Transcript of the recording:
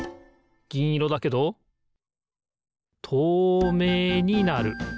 ぎんいろだけどとうめいになる。